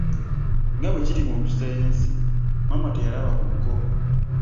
Nga bwe kiri mu mpisa y'ensi, maama teyalaba ku muko.